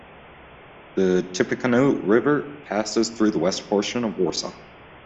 The Tippecanoe River passes through the West portion of Warsaw.